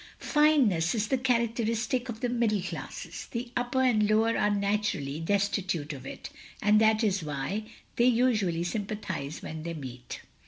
Fineness is the charac teristic of the middle classes. The upper and lower are, nattirally, destitute of it, and that is is why they usually sympathise when they meet.